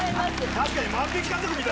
確かに万引き家族みたい。